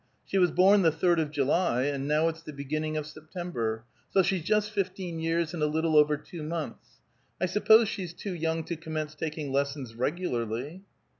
"She was born the third of July, and now it's the beginning of September. So she's just fifteen years and a little over two months. I suppose she's too young to commence taking lessons regularly?"